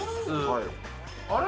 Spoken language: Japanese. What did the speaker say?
あれ？